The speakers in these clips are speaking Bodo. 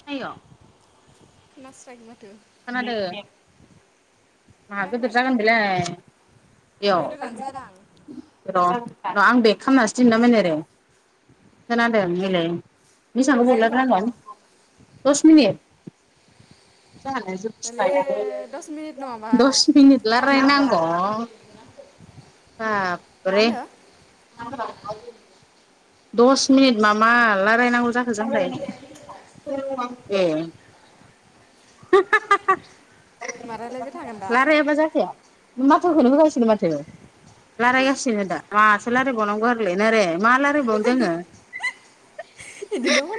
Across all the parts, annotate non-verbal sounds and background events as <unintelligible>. सिनायो नास्रायनि माथो खोनादो मा गिदिर खोनायाखै जागोन बेलाय बेयाव रां र' र' आं बेग खालामनासो दोनदोंमोनओरै खोनादों मिलाय गोदोर जायाखै माथ' बिसां <unintelligible> दस मिनिट। <inaudible> दले दस मिनिट नङाबा दस मिनिट दानलाङानो। <inaudible> आ मा होनदो? <unintelligible> दस मिनिट मा मा लारायनांगौ जाखो जोंलाय? ए हा हा हा हा मा रायलायबाय थागोन दा लारायाबा जाखाया माथोखौनो होगासिनो माथो। रायलायगासिनो दा माथो रायलायबावनांगौ आरोलैनो रे मा रायलायबावनो दोङो? बिदिनो हर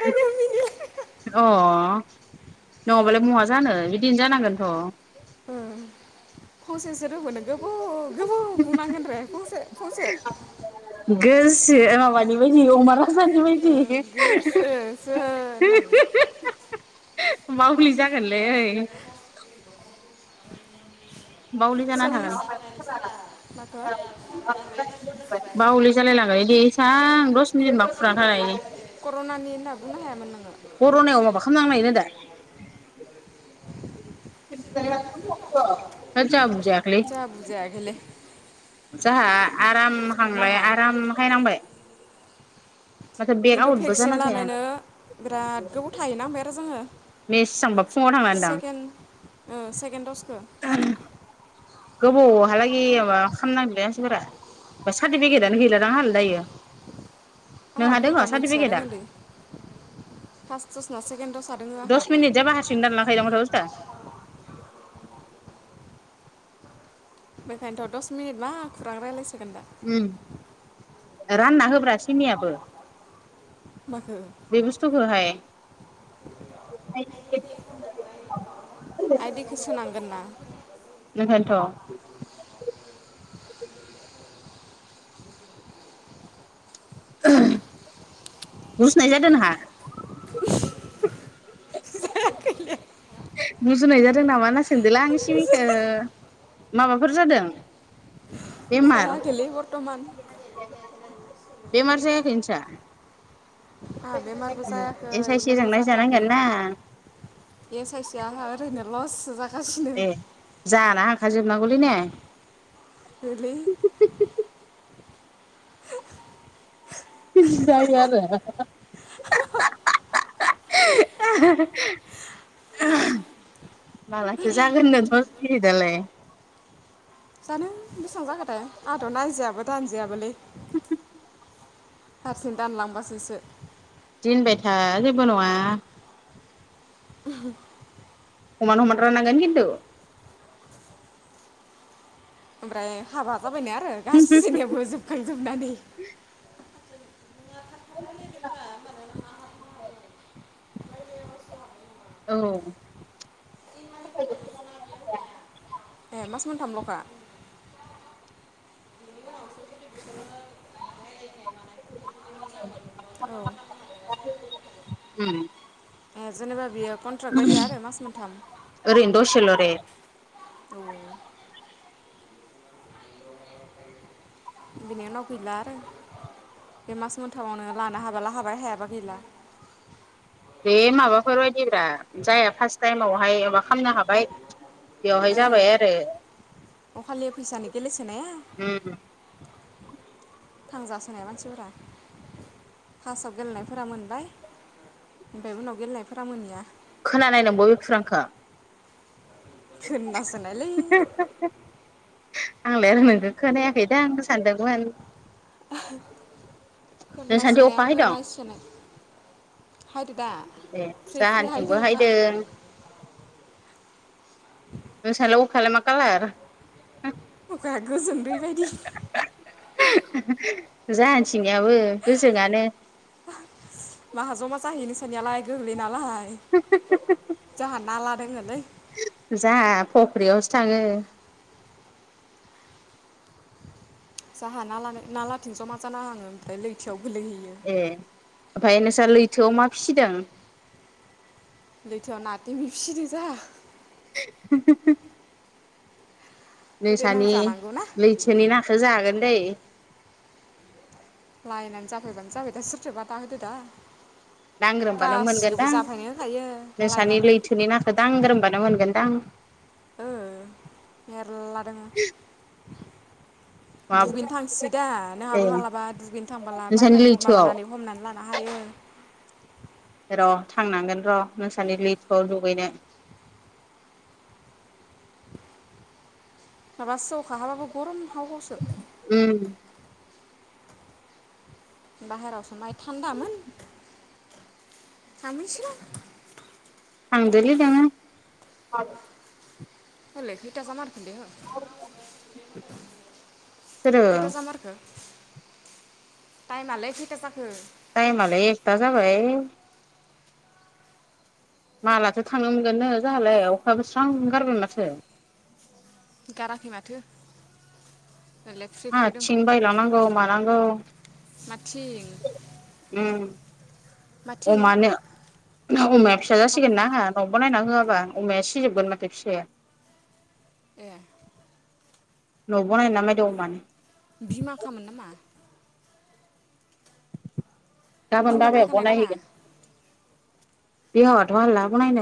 अ नङाबालाय महा जानो बिदिनो जानांगोनथ'। फंसेसो रोंबोनो गोबौ गोबौ बुंनांगोन रे फंसे फंसे। गोसो माबानि बायदि अमाराजानि ओ बायदि। गोसोसो होननानै। मावबोलि जागोनलै ओइ। बावलि जानानै सल्लिस माखो थागोन बावलि जालायलाङो ऐदि सां दस मिनिट मा खुरांहै ब कर'नानि होनना बुंनो हायामोन नोङो कर'नायाव माबा खालामनायनो दा। होथ जोंहा बुजायाखैलै। जोंहा बुजायाखैलै जाहा आराम हांलाय माहा आराम हाय नांबाय। खिन्थु आवटबो भेक्सिन जाना थाया लानोनो बिराद गोबाव थाहैनांबाय आरो जोङो। मेसेबांबा फुङाव थांनानै दां सेकेड ओ सेकेणड दस्थखौ। <unintelligible> गोबावहालागै माबा खालामनांदोंलै मानसिफोरा। सार्टिफिकेटआनो गैलादां आंहालाय दायो। आंहा नोंहा दोङो मबेबा मोनसेआ सार्टिफिकेटआ दङलै फार्स्टस ना सेकेणडआ दोंड़ो आंहा। दिहुननान लागायो दां माथो बे बुसथुआ। बेखायनोथ' दस मिनिट मा खुरां रायलाय सोगोन दा? उम रानना होब्रा सिनियाबो। माखो? बे बुस्थुखौहाय <unintelligible> आइ दिखौ सोनांगोन ना? बेखायनोथ'। गुजुनाय जादों नोंहा? जायाखैलै गुजुनाय जादों नामा होना सोंदोंलां आं सिमिखो? माबाफोर जादों? बेमार जायाखैलै बर्थमान। बेमार जायाखै नोंसा? आंहा बेमारबो जायाखै एस आइ सि जों नोंबो जाथ'वाखै। नायजानांगोन ना एस आइसो आंहा ओरैनो लससो जागासिनो। ए जाना हांखा जोबनांगौलै ने? औ लै। बिदि जायो आरो <unintelligible> मालाथो जागोननो दस्थ मिनिट आलाय? जानो बेसेबां जाखोथाय आंहाथ' नायजायाबो दानजायाबोलै। हारसिं दानलांबासोसो। दिनबाय था जेबो नङा। <unintelligible> हमान-हमान राननांगोन खिन्थु। ओमफ्राय हाबा जाबायनो आरो गासैनियावबो जोबखांजोबनानै। <inaudible> औ <unintelligible> ऐ मास मोनथामल'खा? <inaudible> औ। <inaudible> ओम। ए जेनेबा बियो कन्ट्राक्ट बायदिया आरो मास मोनथाम। ओरैनो द'सेल' दे। औ बिनि उनाव गैला आरो बे मास मोनथामावनो लानो हाबाला हाबाय हायाबा गैला। बे माबाफोर बायदिब्रा जायहा फार्स्ट टाइमावहाय माबा खालामनो हाबाय। बेवहाय ओ जाबाय आरो। अखालि फैसानि गेलेसोनाया। ओम। थांजासोनाय मानसिफोरा। फार्स्टआव गेलेनायफोरा मोनबाय, ओमफ्राय उनाव गेलेनायफोरा मोनैया। खोनानायदोंं बबे खुरांखौ। थोनदासनायलै। आंलाय आरो नोंखौ खोनायाखै दां आं सानदोंमोन। नोंसानिथिं अखा खोनासोनायानोबो हायदों नायसनाय। ए हायदो जाहानिथिंबो अखा हायदों। नोंसालाय अखालाय मा खालार? अखाया गोजोन दै बायदि। जानोथिनायाबो गोजोङानो। माहा जमा जाहैनोंसनियालाय गोग्लै नालाय जोंहा नाला दोङलै। जोहा फख्रियावसो थाङो। जोहा नाला नालाथिं ज'मा जाना ओमफ्राय लैथोयाव गोग्लैहैयो। ए ओमफ्राय नोंस्रा लैथोआव मा फिसिदों। लैथोयाव ना थेमि फिसिदों जोंहा <unintelligible> देनां नोंसानि जानांगौ ना लैथोनि नाखौ जागोन दै। लायनानै जाफैबानो जाबाय दा सोरथो बादा होदो दा। दांग्रोमबानो गासिखौबो मोनगोनदां जाफायनो होखायो नोंसानि लायनानै लैथोनि नाखौ दांग्रोमबानो मोनगोनदां। ओं मेरला दं। मा दुगैनो थांसैदा ए नोंहाबो मालाबा दुगैनो थांबला नोंसानि बायनानै लैथोआव माबानानै हमनानै ला हायो र' थांनांगोन र' नोंसानि लैथैयाव दुगैनो। माबा सेवखाबाबो गरम हावा हावसो। उम। बाहेरायावसो माइ थान्दामोन थांफिनसैलां। थांदै दङो। <unintelligible> अ लेखैथा ज मार फलि हो। सोरो <unintelligible> खैथा जामारखो। टाइमालै खैथा जाखो। टाइमालाय एकथा जाबाय। मालाथो' थांनो मोनगोननो जोंहालाय अखायाबो स्रां गारबाय माथो। गाराखै माथो। दालाय फ्रि आहा थिं बायलां नांगौ मानांगौ। मा थिं उम माथिं अमानो अमाया फिसा मा जासिगोन खालामनो ना हमो आंहा। न' बानायना होयाबा अमाया सिजोबगोन माथो फिसाया। ए। न'बनायना मायदं मे। <unintelligible> बिमाखामोन नामा। गाबोन बिमा बाबाया बायखानाय नामा बनायहैगोन। हालला ब नाय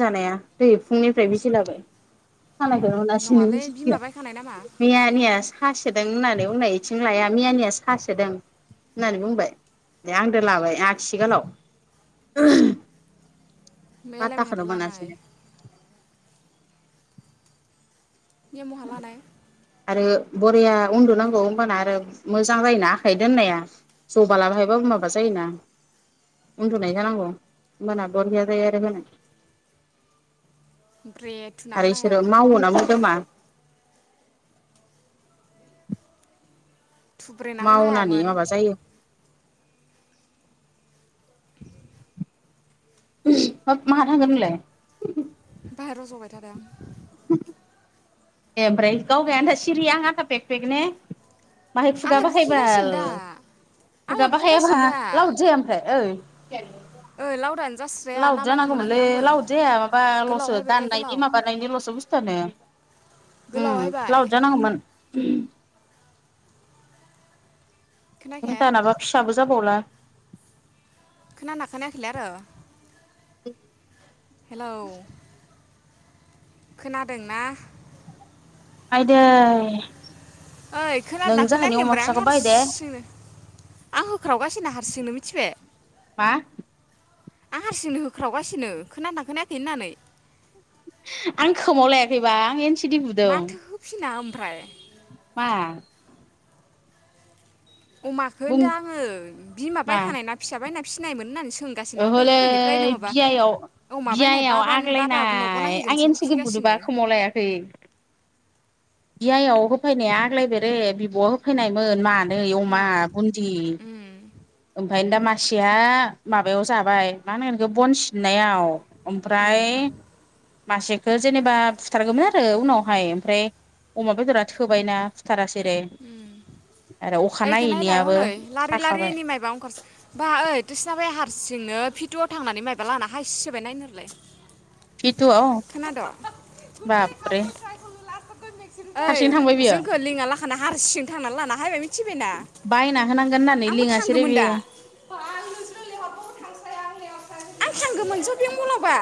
जायो दै <unintelligible> फुंनिफ्राय बिसिलाबाय। <unintelligible> नङालै बिमा बायखानाय नामा मियानिया सासोदों होननानै उननाय इथिं लाया मियानिया सासोदों। होननानै बुंबाय दे आंद लाबाय आथिगालाव। मैयालाय माहाथो लानाय <unintelligible> मोया महालानाय आरो बरिया उन्दुनांगौ होमबाना आरो मोजां जायोना आखाइ दोननाया जबालाबाय हायबा माबा जायोना उन्दुनाय जानांगौ होमबाना बरैया जायो आरो होनो। ब्रे थुना आरो होनो इसोरो हायामोन मावो ना मोनदोमा थुब्रेना होनो मावनानै हायामोन माबा जायो। <inaudible> माहा थांगोन नोंलाय बाहेराव जबाय थादों। ए ओफ्राय गाव गाय सिरि आंहा पेक पेक ने। माहाय खुगा आंलाय बुखिगासिनो बाहायबाल दा खुगा आंलाय बुंगासिनो दा बाहायबाल लाव जाया ओमफ्राय ओइ ओइ लावदां जास लावद जानांगौमोनलै लावद जाया गोलाव माबाल'सो हायबायलै गोलाव दाननायनि माबानायनिल'सो बुस्थुआनो। गोलाव उम हायबाय लावद जानांगौमोन। <inaudible> नों खोनायाखै दानाबा फिसाबो जाबावला। खोनाना खोनायाखैलै आरो हेलौ! खोनादोंना? आदै। ओइ खोनादोंना खोनाखै ओमफ्राय आं फिसाखौ बायदे हारसिंनो आं होख्रावगासिनो हारसिंनो मिथिबाय। मा? आं हारसिंनो होख्रावगासिनो खोनाना खोनाया होननानै। आं खोमाव लायाखैबा सि डि बुदों माथो होफिना ओमफ्राय, मा? अमाखौ बुं होनदों आङो बिमा मा बायखानाय ना फिसा बायना फिसिनायमोन होननानै सो गासिनो आं ओहोलै दहायनिफ्रायनो माबा, बियायाव औ अमाबायनाय बियायाव बाब बाबानि न'बानाय आग्लायनाय आं नहैगोनसो एन सि डि बुखिगासिनो। बुदोबा खोमाव लायाखै बियायाव होफैनाया आग्लाय फेरो बिब'आ होफैनायमोन मानै अमा बुन्दि। ओमफ्राय दा मासेया माबायाव जाबाय माहोनो बिखौ बन सिननायाव। ओमफ्राय मासेखो जेनेबा फुथारगौमोन आरो उनावहाय ओमफ्राय। अमा बेदरा थोबायना। बुथारासे रे ओखौ नायलाय हनै लारि थाखाबाय लारिनि माइबा ओंखारसै बा ओइ <unintelligible> हारसिंनो फिटुआव थांनानै मायबा लाना फैसोबाय नायनोलाय। फिटुआव खोनादो। बाबरे ओइ हारसिं थांबाय बियो जोंखौ लिङा ला खाना हार सिं थांनानै लाना फैबायना मिथिबायना। बायना होनांगोन होननानै आंबो लिंहासैरै थांगौमोन दा बियो। बाल नोंसोरो लेहरबाबो आं थांगौमोन सोफिं म'लावबा।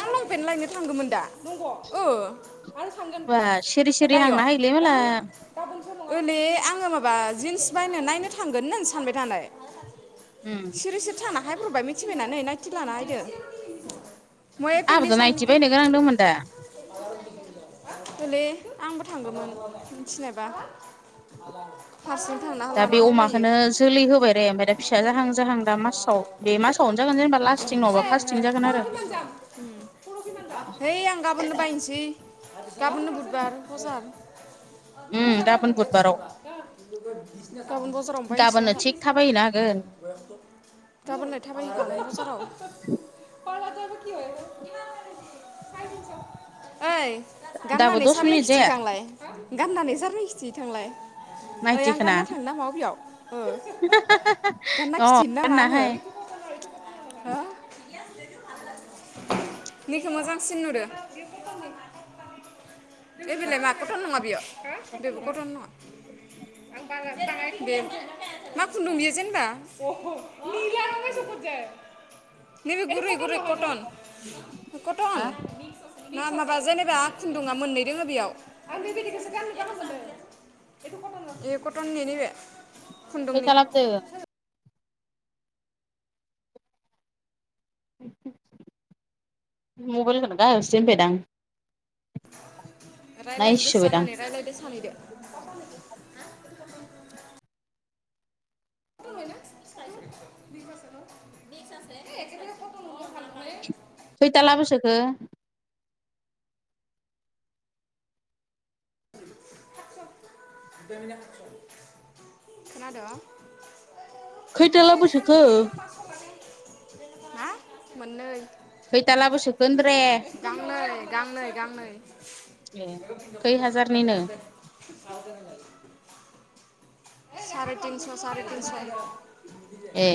आं लंफेन लायनो थांगौमोन दा नंगौ ओ आं थांगोन। बा सिरि सिरि दायो‌ हांना हायोलै दा माला मोना। ओलै आङो माबा जिन्स बायनो नायनो थांगोन होनानै सानबाय थानाय। उम सिरि सिरि थाना फैब्र'बबाय मिथिबायना नै नायटि लाना फैदो। <unintelligible> आंहाबोथ' नायथि बायनो गोनां दंमोन दा आंबो थांगौमोन मिथिनायबा। हारसिं थांना। दा बे लाना हायबायो अमाखौनो जोलै होबाय रे ओमफाय दा फिसा जाहां जाहां दा मासाव। बे मासावनो जागोन जेनेबा लास्टिं नङबा फार्स्थि जागोन आरो हैइ आं गाबोननो बायनोसै गाबोननो बुधबार ब'जार। उम गाबोन बुधबाराव <unintelligible> गाबोन ब'जारावनो बायनोसै गाबोननो आंहा। थिग थाबायहैनो हागोन गामोनलाय थाबाय होबालाय ब'जाराव। ओइ। दाबो गाननानै दस सारनो मिनिट खि जाया गाननानै सारनो खिथिहैथांलाय ओइ आं नायथिखोना गानना थाङो नामा वबेयाव ओ गानना खिथिहैनो नामा आंङो गाननाहाय हो निखौ मोजांसिन नुदो <unintelligible> नैबेलाय मा कटन नङा बेयाव बेबो कटन नङा <unintelligible> मा खुन्दुं बियो जेनबा <unintelligible> नैबे गुरै गुरै कटन कटन हा नां माबा जेनेबा खुन्दुंआ मोननै <unintelligible> खुन्दुंनि फैसा लाबोदों मबाइल खोनो गाहायावसो दोनबायदां रायज्लायनो गोसो नायसोबायदां जानानै रायज्लायदो सानैदो <unintelligible> खैथा लाबोसोखो खोनाद' खैथाला बोसोखो? हा मोननै खैथाला बोसोखो होनदोरे गांनै गांनै गांनै खै हाजारनिनो <unintelligible> सारे तिनस' सारे तिनस' नो ए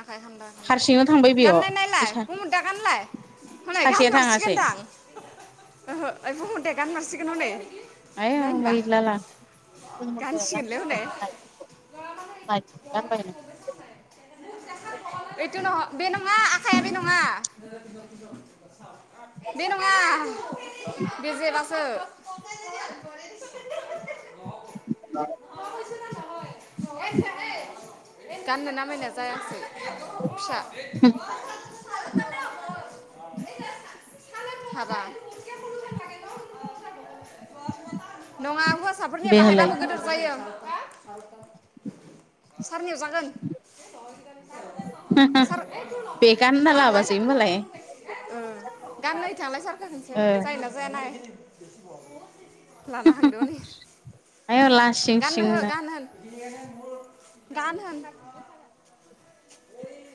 आखाइ खन्दा हारसिंनो थांबाय गाननाय नायलाय बेयाव कमुरदा गानलाय हनै सासेया थाङासै गानमारसिगोनदां ओहो आइ बुंह दे गानमारसिगोन ह'नै नायनोबा गानसिगोनलै हनै <unintelligible> <unintelligible> <unintelligible> बे नङा आखाइआ बे नङा बे नङा बेजेब <unintelligible> <unintelligible> गाननो नामायनाय जायासै <unintelligible> फिसा <unintelligible> हाबा नङा हुवासा फोरनिया बेहालाय बाहायबाबो गोदोर जायो सारनियाव जागोन सार एटु नहय बेगानो होनना लांलाय लाबोआसै होनबालाय सार गान्नाय हैथांलाय सारखो खोनसो ओ जायोना जाया नाय लाना हांदोमोन इयो आयौ लासिं गाननो हो सिंनो गान होन <unintelligible> गान होन